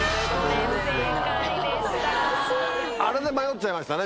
あれで迷っちゃいましたね